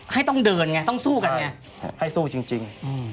ให้ต้องเดินไงต้องสู้กันไงให้สู้จริง